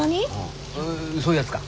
そういうやつか？